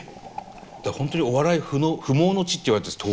本当にお笑い不毛の地って言われてるんです。